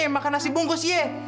makan nasi bungkus ye